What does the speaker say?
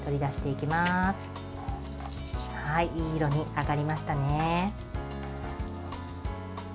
いい色に揚がりましたね。